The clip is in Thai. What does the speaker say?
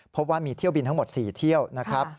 พบว่ามีเที่ยวบินทั้งหมด๔เที่ยวนะครับ